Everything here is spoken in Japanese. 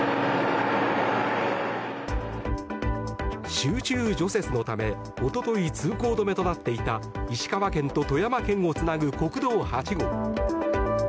集中除雪のためおととい通行止めとなっていた石川県と富山県をつなぐ国道８号。